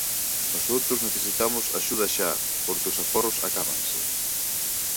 Nosoutros necesitamos axuda xa, porque os aforros acábanse.